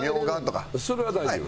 それは大丈夫。